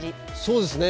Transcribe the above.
そうですね。